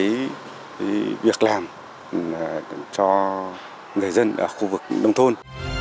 cái việc làm cho người dân ở khu vực nông thôn